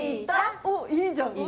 お、いいじゃん。